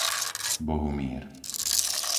Bohumír